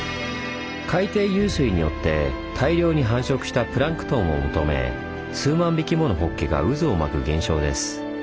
海底湧水によって大量に繁殖したプランクトンを求め数万匹ものホッケが渦を巻く現象です。